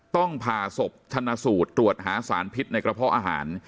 ต้องผ่าศพชนะสูตรตรวจหาสารพิษในกระเพาะอาหาร